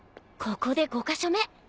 ここで５カ所目。